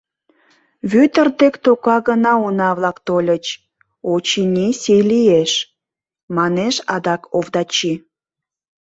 — Вӧдыр дек тока гына уна-влак тольыч; очыни сий лиеш, — манеш адак Овдачи.